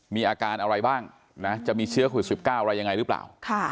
มีอาการอะไรบ้างจะมีเชื้อขุดสวิบเก้าอะไรยังไงหรือเปล่า